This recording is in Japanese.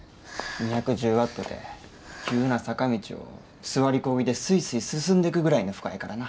２１０ワットて急な坂道を座りこぎでスイスイ進んでくぐらいの負荷やからな。